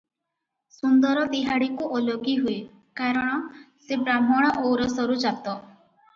ସୁନ୍ଦର ତିହାଡ଼ିକୁ ଓଳଗି ହୁଏ, କାରଣ ସେ ବ୍ରାହ୍ମଣ ଔରସରୁ ଜାତ ।